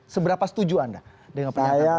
seberapa setuju anda dengan pernyataannya